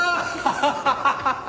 ハハハハ！